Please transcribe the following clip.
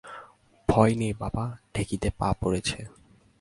ভয় নেই বাবা, ঢেঁকিতে পা পড়েছে।